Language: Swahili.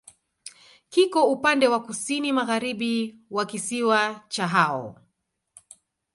Kiko upande wa kusini-magharibi wa kisiwa cha Hao.